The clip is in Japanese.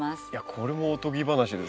これもおとぎ話ですよね。